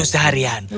aku sudah berhenti